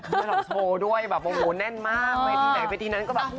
แบบโบโหด้วยแบบโบโหแน่นมากไหนไปที่นั้นก็แบบ